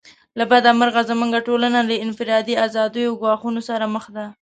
له بده مرغه زموږ ټولنه له انفرادي آزادیو ګواښونو سره مخ ده.